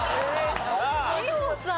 美穂さん